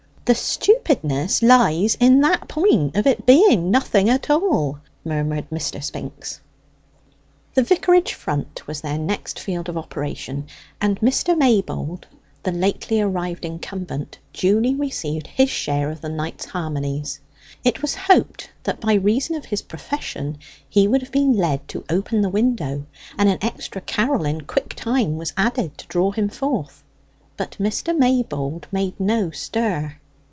"The stupidness lies in that point of it being nothing at all," murmured Mr. Spinks. The vicarage front was their next field of operation, and Mr. Maybold, the lately arrived incumbent, duly received his share of the night's harmonies. It was hoped that by reason of his profession he would have been led to open the window, and an extra carol in quick time was added to draw him forth. But Mr. Maybold made no stir.